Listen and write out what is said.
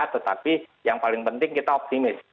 tetapi yang paling penting kita optimis